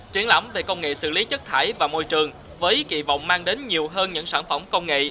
triển lãm về công nghệ xử lý chất thải và môi trường với kỳ vọng mang đến nhiều hơn những sản phẩm công nghệ